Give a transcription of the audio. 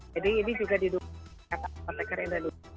jadi ini juga didukung oleh apotekar indonesia